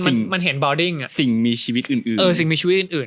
ซึ่งมันเห็นบอดิ้งอ่ะสิ่งมีชีวิตอื่นเออสิ่งมีชีวิตอื่น